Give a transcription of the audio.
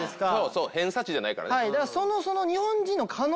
偏差値じゃないからね。